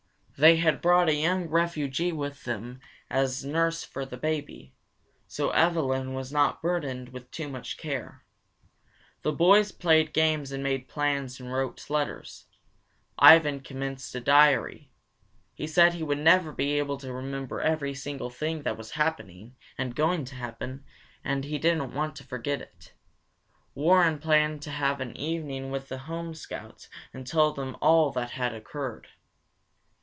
They had brought a young refugee with them as nurse for the baby, so Evelyn was not burdened with too much care. The boys played games and made plans and wrote letters. Ivan commenced a diary. He said he would never be able to remember every single thing that was happening, and going to happen, and he didn't want to forget it. Warren planned to have an evening with the home Scouts and tell them all that had occurred.